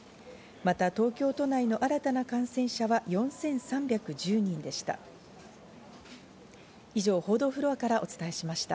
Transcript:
また東京都内の新たな感染者は４３１０人でした。